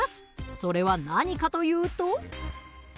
それは何かというと。